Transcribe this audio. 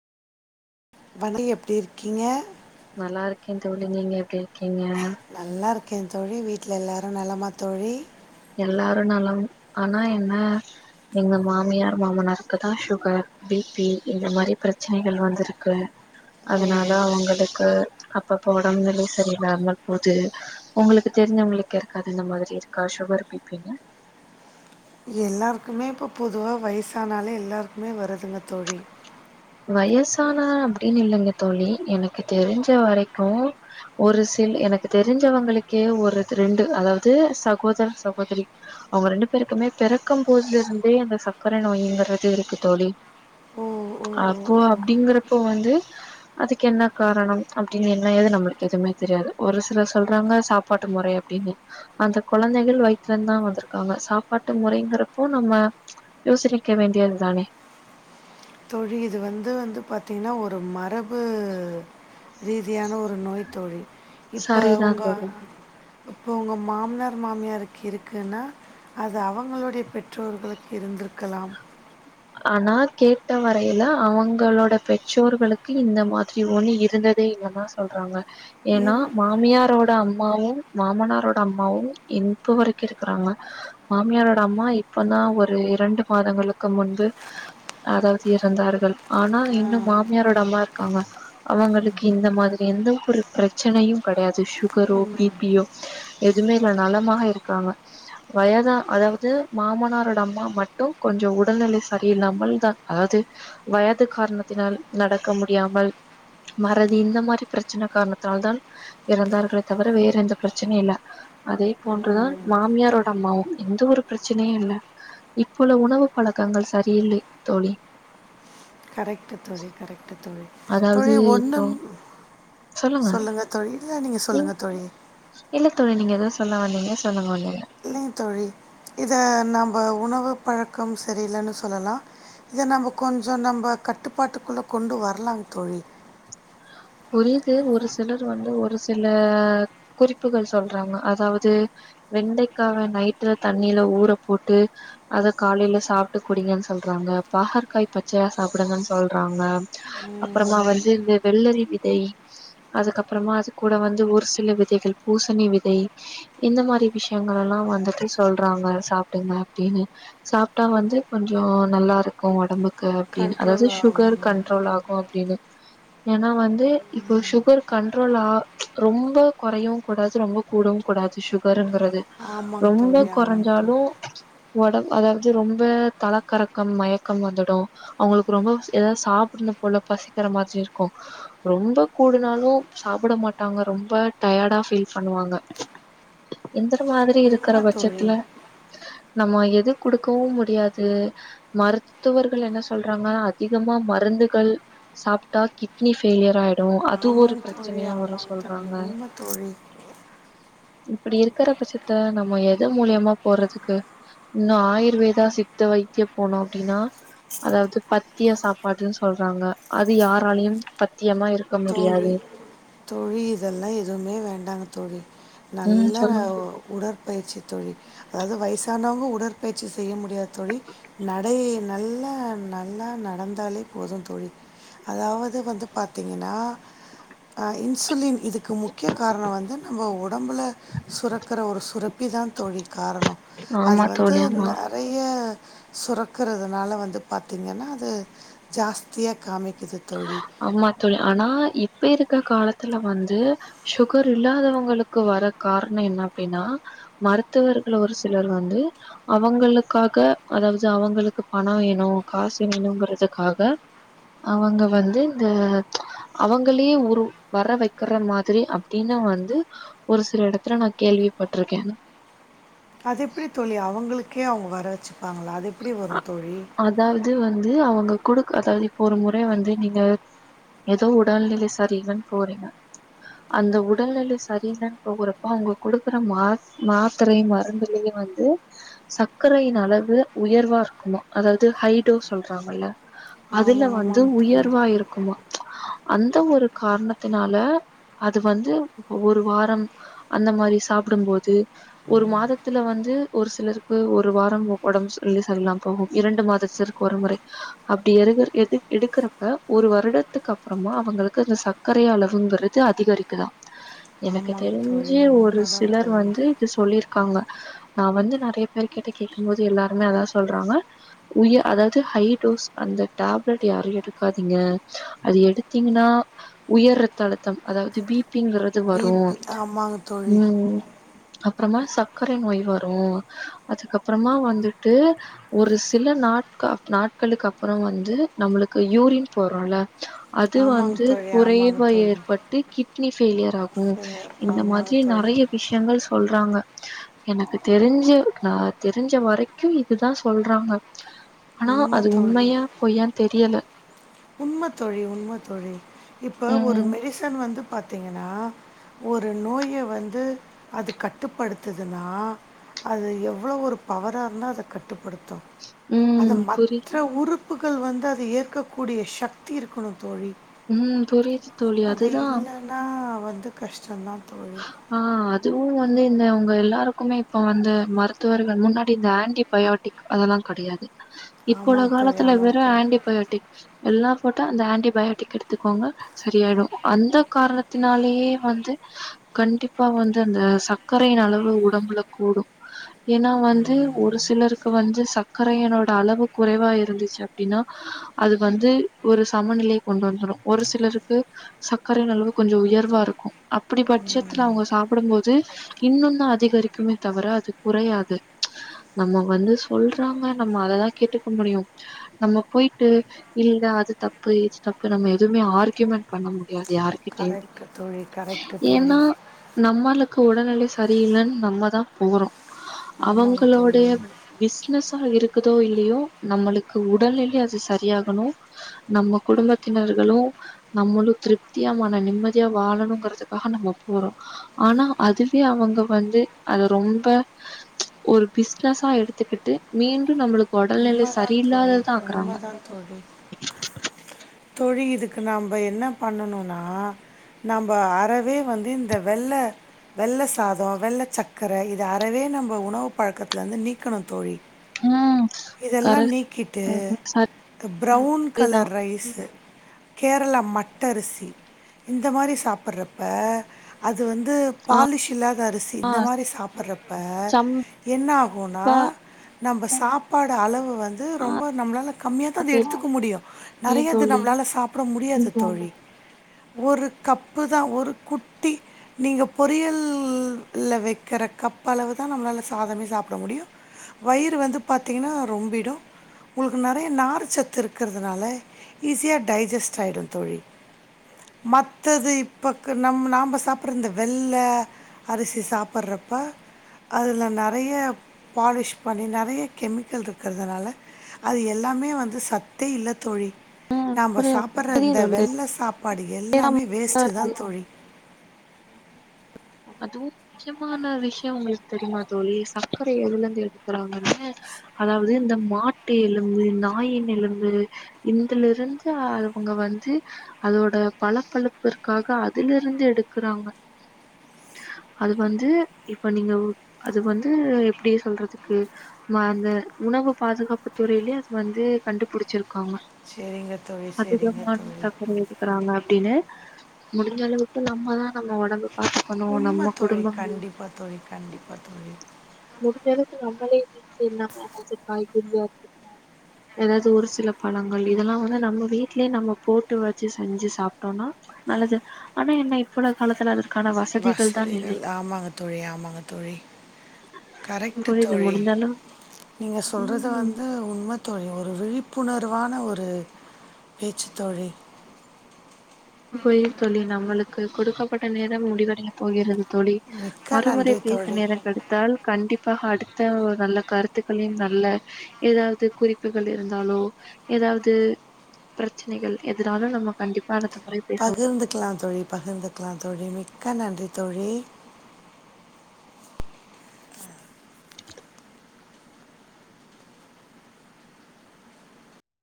[inaudible] எப்டிருக்கீங்க நல்லாருக்கே தோழி நீங்க எப்டி கேங்க க்கேந் தோழி வீட்ல எல்லாரு நலமா தோழி எல்லாரு நலம் ஆனா என்ன எங்க மாமியார் மாமனருக்கு தா சுகர் பி பி இந்த மாரி பிரச்சனைகள் வந்திருக்கு ஓ அதனால அவுங்களுக்கு அப்பப்போ ஒடம் நிலை சரியில்லாமல் போது உங்குளுக்கு தெரிஞ்சவங்குளுக்கு யாருக்காது இந்த மாதிரி இருக்கா சுகர் பி பி னு எல்லாருக்குமே இப்ப பொதுவா வயசானாலே எல்லாருக்குமே வருதுங்க தோழி வயசானா அப்டினு இல்லங்க தோழி எனக்கு தெரிஞ்ச வரைக்கு ஒரு சில் எனக்கு தெரிஞ்சவங்களுக்கே ஒருது ரெண்டு அதாவது சகோதர சகோதரி அவுங்க ரெண்டு பேருக்குமே பெறக்கும் போதுல இருந்தே அந்த சக்கரை நோய்ங்கறது இருக்கு தோழி ஓ ஓ ஓ அப்போ ஓ. அப்டிங்றப்போ வந்து அதுக்கு என்ன காரணம் அப்டினு என்ன ஏது நம்ளுக்கு எதுமே தெரியாது ஒரு சில சொல்றாங்க சாப்பாட்டு முறை அப்டினு அந்த குழந்தைகள் வயித்துலந்து தா வந்திருக்காங்க சாப்பாட்டு முறைங்கிறப்போ நம்ம யோசிரிக்க வேண்டியதுதானே தோழி இது வந்து வந்து பாத்தீங்கனா ஒரு மர ரீதியான ஒ நோய் தோழி இப்ப சரிதா உங்க தோழி இப்போ உங்க மாம்னார் மாமியாருக்கு இருக்குன்னா அது அவங்களுடைய பெற்றோர்களுக்கு இருந்திருக்கலாம் ஆனா கேட்ட வரையில அவுங்களோட பெற்றோர்களுக்கு இந்த மாதிரி ஒனி இருந்ததே இல்லன்தா சொல்றாங்க ஏன்னா இரு மாமியாரோட அம்மாவு மாமனாரோட அம்மாவு இன்ப்ப வரைக்கு இருக்கறாங்க மாமியாரோட அம்மா இப்பதா ஒரு ரெண்டு மாதங்களுக்கு முன் பு அதாவது இறந்தார்கள் ஆனா இன்னும் மாமியாரோட அம்மா இருக்காங்க அவங்களுக்கு இந்த மாதிரி எந்த ஒரு பிரச்சனையும் கெடையாது சுகரோ பி பி யோ எதுமே இல்ல நலமாக இருக்காங்க வயத அதாவது மாமனாரோட அம்மா மட்டு கொஞ்சோ உடல்நிலை சரியில்லாமல் தா அதாவது வயது கார்ணத்தினால் நடக்க முடியாமல் மறதி இந்த மாரி பிரச்சனை கார்ணத்தால் தான் எறந்தார்களே தவிர வேற எந்த பிரச்சனையு இல்ல அதே போன்றுதான் மாமியாரோட அம்மாவும் எந்த ஒரு பிரச்சனையு இல் இப்ப உள உணவு பழக்கங்கள் சரியில்லை தோழி கரெக்ட் தோழி கரெக்ட் தோழி அதாவது தோழி இப்போ ஒண்ணும் சொல்லுங்க தோழி இல்ல நீங்க நீங் சொல்லுங்க தோழி இல்ல தோழி நீங்க எதோ சொல்ல வந்திங்க சொல்லுங் வந்தத இல்லங்க தோழி இத நம்ப உணவு பழக்கம் சரியில்லன்னு சொல்லலாம் இத நம்ம கொஞ்சம் நம்ப கட்டுப்பாட்டுக்குள்ள கொண்டு வரலாம் தோழி புரிது ஒரு சிலர் வந்து ஒரு சில குறிப்புகள் சொல்றாங்க அதாவது வெண்டைக்காவ நைட்டு தண்ணியில ஊற போட்டு அத காலையில சாப்ட்டு குடிங்கன்னு சொல்றாங்க பாகற்காய் பச்சையா சாப்டுங்கன்னு சொல்றாங்க அப்றமா வந்து இந் வெள்ளரி விதை அதுக்கப்றமா அது கூட வந்து ஒரு சில விதைகள் பூசணி விதை இந்த மாரி விஷயங்கள்ல்லா வந்துட்டு சொல்றாங்க சாப்டுங்க அப்டின்னு சாப்ட்டா வந்து கொஞ்சோ நல்லா இருக்கு ஒடம்புக்கு அப்டின்னு அதாவது கண்ட்ரோல் சுகர் ஆகும் கண்ட்ரோல் ஆகு அப்டின்னு ஏன்னா வந்து இப்போ சுகர் கண்ட்ரோலா ரொம்ப கொறையவு கூடாது ரொம்ப கூடவு கூடாது சுகருங்றது ஆமாங் தோழி ஆமாங் தோழி ஒடம் அதாவது ரொம்ப தலக்கரக்கம் மயக்கம் வந்துடு அவுங்ளுக்கு ரொம்ப ஏதாது சாப்டுனு போல பசிக்ர மாதிரி இரு க்கு ரொம்ப கூடுனாலு சாப்பட மாட்டாங்க ரொம்ப டயர்டா ஃபீல் பண்ணுவாங்க இந்தர மாதிரி இருக்கற உண்மை தோழி பட்ஜெத்துல நம்ம எது கொடுக்கவு முடியாது மருத்துவர்கள் என்ன சொல்றாங்க அதிகமா மருந்துகள் சாப் டா கிட்னி ஃபெய்லியர் ஆயி அதும் ஒரு ஆமாங்க தோழி பிரச்சனையா வரு ஆமாங்க தோழி சொல்றாங்க உண்மை தோழி இப்படி இருக்ற பட்சத்த நம்ம எது மூலயமா போறதுக்கு இன்னு ஆயுர்வேதா சித்த வைத்தியோ போனோ அப்டின்னா அதாவது பத்தியா சாப்பாடுன்னு சொல்றாங்க அத் யாராலயு பத்தியமா இருக் தோழி தோழி இதெல்லா எதுமே வேண்டாங்க தோழி ம் நல்ல சொல்லுங்க உடற்பயிற்சி தோழி அது வயசான தினமு உடற்பயிற்சி செய்ய முடியாது தோழி நடை நல்லா நல்ல நடந்தாலே போது தோழி அதாவது வந்து பாத்தீங்கன்னா ஆ இன்சுலின் இதுக்கு முக்கிய காரணோ வந்து [unintelligible] உடம்புல சுரக்ற ஒரு சுரப்பி தா தோழி காரணம் அது ஆமா வந்து தோழி ஆமா நெறைய சுரக்றதுனால வந்து பாத்தீங்கன்னா அது ஜாஸ்தியா காமிக் ஆமா தோழி ஆனா இப் இப்ப இருக்க காலத்துல வந்து சுகர் இல்லாதவங்களுக்கு வர காரணோ என்ன அப்டின்னா மருத்துவர்கள் ஒரு சிலர் வந்து அவங்களுக்காக அதாவது அவங்களுக்கு பணோ வேணு காசு வேணுங்றதுக்காக அவங்க வந்து இந்த அவங்களயே ஒரு வர வக்கிற மாதிரி அப்டின்னு வந்து ஒரு சில எடத்துல நா கேள்விப்பட்ருக்கே கே அவுங்க வர வச் வாங்களா அது எப்டி வரு தோழி அதாவது வந்து அவுங்க கொடு அதாவது இப்போ ஒரு முறை வந்து நீங்க ஏதோ உடல்நிலை சரியில்லன்னு போறீங்க அந்த உடல்நிலை சரியில்லன்னு போறப்ப அவுங்க குடுக்குற மா மாத்திரையு மருந்துலையு வந்து சக்கரையின் அளவு உயர்வா இருக்கும் அதாவது ஹைடோஸ் சொல்றாங்கல்ல அதுல ஆமா, வந்து ஆமாங்க தோழி. உயர்வா இருக்குமா ப்ச் அந்த ஒரு காரணத்தினால அது வந்து ஒரு வாரம் அந்த மாரி சாப்டும்போது ஒரு மாதத்துல வந்து ஒரு சிலருக்கு ஒரு வாரம் ஒடஞ் வெளி சலில்லா போகு இரண்டு மாதத்து இருக்கு ஒரு முறை அப்படி எகு எது எடுக்றப்ப ஒரு வருடத்துக்கு அப்றமா அவங்களுக்கு அந்த சக்கரை அளவுங்றது அதிகரிக்குதா எனக்கு ஆமாங்க தோழி. தெரிஞ்சு ஒரு உண்மதான் சிலர் தோழி. வந்து இது சொல்லிரு இருக்காங்க நா வந்து நெறைய பேர் கிட்ட கேட்கும்போது எல்லார உண்மைய தா சொல்றாங்க உயர் அதாவது ஹை டோஸ் அந்த டேப்லெட் யாரு எடுக்காதீங்க அது எடுத்தீங்ன்னா உயர் ரத்தஅழுத்தோ அதாவது பிப் பி ங்றது வரும் பிபி ஆமாங்க தோழி. உம் அப்றமா சக்கரை நோய் வரு அதுக்கப்றமா வந்து ட்டு ஒரு சில நாட்க நாட்களுக்கப்பறொ வந்து நம்மளுக்கு யூரின் போறோல அது ஆமாங்க வந்து தோழி, ஆமாங்க குறைவா தோழி. ஏற்பட்டு கிட் னி ஃபெய்லியர் உண்டாகு ச இந்த ஆமாங்க மாத்ரி தோழி. நெறய விஷ்யங்கள் சொல்றாங்க எனக்கு தெரீஞ்சு நா தெரிஞ்ச வரை க்கும் இதுதா சொல்றாங்க அனா உண்ம அது உண்மையா பொய்யான் தெரியல உண்மத்தோழி உண்மத்தோழி இப்போ ஒரு ம். மெடிசன் வந்துப் பாத்தீங்கனா ஒரு நோய வந்து அது கட்டுப்படுத்துதுனா அது எவ்ளோ ஒர் பவராருந்தா அத கட்டுப் படுத்து அது ம். புரி மற்ற உறூப் புக்கள் வந்து அத ஏற்க கூடிய சக்தி இருக்கணு தோழி உம் புரியுது தோழி அது அதுதா இல்லன்னா வந்து கஷ்டந்தான் ஆஹ் அதுவு வந்து இந்த அவுங்க எல்லா லாருக்குமே இப்ப வந்து மருத்துவர்கள் முன்னாடி இந்த ஆன்டிபயாட்டிக் அதெல்லா கடயாது இப்பொள்ள ஆமாங்க தோழி, காலத்துல ஆமாங்க வெறு தோழி. ஆன்டிபயோட்டிக் எல்லா போட்டா அந்த ஆன்டிபயோட்டிக் எடுத்துக்கோங்க சரியாயிரு அந்த காரணத்தினாலேயே வந்து கண்டிப்பா வந்து அந்த சக்கரயின் அளவு உடம்புல கூடு ஏனா வந்து ஒரு சிலருக்கு வந்து சக்கரயனோட அளவு குறைவா இருந்துச்சு அப்டினா அது வந்து ஒரு சமநிலைய கொண்டு வந்துரு ஒரு சிலருக்கு சக்கரயின் அளவு கொஞ்சொ உயர்வாருக்கு அப்படி பட் ச்சத்துல அவுங்க சாப்புடும் போது இன்னூன் தா அதிகரிக்குமே தவரெ அது குறையாது நம்மோ வந்து சொல்றாங்க நம்ம அததா கேட்டுக்க முடியு நம்மொ போயிட்டு இல்ல அது தப்பு இது தப்பு நம்ம எதூமே ஆர்கயூமெண் பண்ண முடியாது கரேட் தோழி கரெட்டு ஏனா நம் ம்மளுக்கு உடல்நிலை சரியில்லேன் நம்மதா போறோ ஆமாங்க அவங்களோடைய தோழி. பிச்னஸ் தா இருக்குதோ இல்லியோ நம்மளுக்கு உடல்நிலை அது சரியாகணு நம்ம குடும்பத்தினர்களு நம்மளு திருப்தியா மன நிம்மதியா வாழணுங்கறது காக நம்மொ போறோ ஆனா அதுவே அவங்க வந்து அத ரொம்ப ச் ஒர் பிஸ்னஸா எடுத்துக்கிட்டு மீண்டும் நம்மளுக் ஒடல்நிலை உண்மதான் தோழி, சரியில்லாததாக்குறாங்க உண்மதான் தோழி. தோழி இதுக்கு நாம்ப என்னா பண்ணணுனா நம்போ அறவே வந்து இந்த வெள்ள வெள்ள சாதோ வெள்ள சக்கர இத அறவே நம்போ உணவு பழக்கத்லந்து நீக்கணு தோழி உம் இதெல்லா நீக்கிட்டு ப்ரவுன் சரிதா கலர் ரைஸு கேரளா மட்டரிசி இந்த மாரி சாப்புறப்ப அது வந்தூ பாலிஷில்லாத அரிசி இந்த மாரி சாப்பட்றப்பே சம்பா என்னாகுனா நம்ப சாப் பாடு அளவு வந்து ரொம்பொ நம்ளால கம்மியாதா அது எடுத்துக்க முடியு தெரியு நெறையது தோழி நம்மளால சாப் சாப்பிட முடியாது தோழி ஒரு கப்பு தா ஒரு குட்டி நீங்கெ பொரியல்லெ வைக்கெற கப் அளவு தா நம்ளால சாதமே சாப்பட முடியு வயிறு வந்துப் பாத்திங்கனா ரொம்பிடும் உங்ளுக்கு நெறைய நார்சத்து இருக்கிறதுனால ஈஸியா டைஜஸ்ட் ஆயிடும் தோழி மத்தது இப்ப நம் நாம்ப சாப்பிட்ற இந்த வெள்ள அரிசி சாப்பிட்றப்ப அதில நெறைய பாலிஷ் பண்ணி நெறைய கெமிக்கல் இருக்கிறதுனால அது எல்லாமே வந்து சத்தே இல்ல தோழி நாம்ப புரிய சாப்ட்ற இந்த புரியுது தோழி வெள்லெ சாப்பாடு எல்லாமே வேஸ்ட்டு தான் தோழி அதுவும் முக்கியமான விஷ்யம் உங்ளுக்கு தெரியுமா தோழி சக்கர எதுல இருந்து எடுக்கறாங்கன்னு அதாவது இந்த மாட்டு எலும்பு நாயின் எலும்பு இந்துலருந்து அவங்க வந்து அதோட பளப்பளப்பிற்காக அதுல இருந்து எடுக்கறாங்க அது வந்து இப்ப நீங்க அது வந்து எப்டி சொல்றதுக்கு ம அந்த உணவு பாதுகாப்பு துறையிலயே அது வந்து கண்டுபிடிச்சிருக் காங்க சரிங்க தோழி, சரிங்க அதிகமான தோழி. சக்கர எடுக்கறாங்க அப்டின்னு முடிஞ்ச அளவுக்கு நம்மதா நம்ம ஒடம்ப பாத் குணும் உண்ம நம்ம தோழி. குடும்பங்கள் கண்டிப்பா தோழி, கண்டிப்பா தோழி. முடிஞ்சளவுக்கு நம்மளே செரி நம்ம எதாச்சு காய்கறியா இருக்கடும் எதாச்சும் ஒரு சில பழங்கள் இதெல்லாம் வந்து நம்ம வீட்லயே நம்ம போட்டு வச்சு செஞ்சு சாப்டோன்னா நல்லது ஆனா என்ன இப்ப உள்ள காலத்துல அதற்கான வச வசதிகள் ஆமாங்க தோழி ஆமாங்க தோழி கரெக்ட்டு புரியுது தோழி முடிந்தாலும் நீங்க சொல்றது ம் வந்து உண்ம தோழி ஒரு விழிப்புணர்வான ஒரு பேச்சு தோழி பொய் தோழி நம்ளுக் க்கு கொடுக்கப்பட்ட நேரம் முடிவடைய போகிறது தோழி மிக்க மறுமுறை நன்றி ம். பேச தோழி. நேரம் கெடைத்தால் கண்டிப் பா அடுத்த ஒரு நல்ல கருத்துக்களையும் நல்ல ஏதாவது குறிப்புகள் இருந்தாலோ ஏதாவது பிரச்சனைகள் எதனாலும் நம்ம கண்டிப்பா அடுத் பகிர்ந்து க்கலாம் தோழி பகிர்ந்துக்கலா தோழி மிக்க நன்றி தோழி